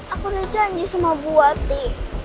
aku udah janji sama bu ati